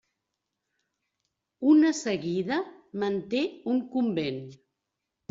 Una seguida manté un convent.